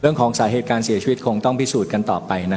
เรื่องของสาเหตุการเสียชีวิตคงต้องพิสูจน์กันต่อไป